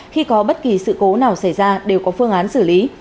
khi có bất kỳ sự cố nào xảy ra đều có phương án xử lý